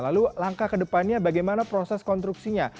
lalu langkah ke depannya bagaimana proses konstruksinya